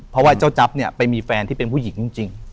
เพราะว่าเจ้าจั๊บเนี่ยไปมีแฟนที่เป็นผู้หญิงจริง